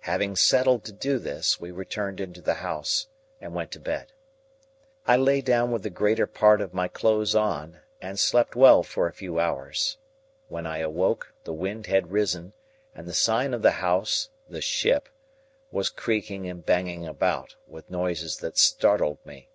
Having settled to do this, we returned into the house and went to bed. I lay down with the greater part of my clothes on, and slept well for a few hours. When I awoke, the wind had risen, and the sign of the house (the Ship) was creaking and banging about, with noises that startled me.